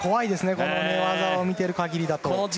この寝技を見ている限りだと。